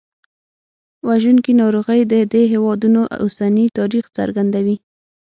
وژونکي ناروغۍ د دې هېوادونو اوسني تاریخ څرګندوي.